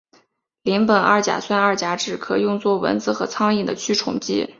邻苯二甲酸二甲酯可用作蚊子和苍蝇的驱虫剂。